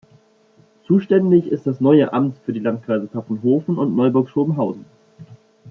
Zuständig ist das neue Amt für die Landkreise Pfaffenhofen und Neuburg-Schrobenhausen.